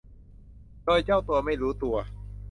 โดยเจ้าตัวไม่รู้ตัว